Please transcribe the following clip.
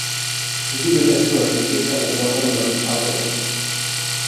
The Duddon Estuary is an Important Bird Area.